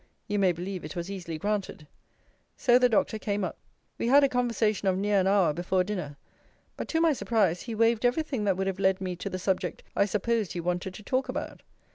You may believe it was easily granted. So the doctor came up. We had a conversation of near an hour before dinner: but, to my surprise, he waved every thing that would have led me to the subject I supposed he wanted to talk about.